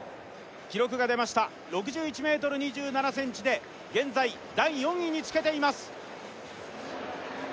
記録が出ました６１ｍ２７ｃｍで現在第４位につけています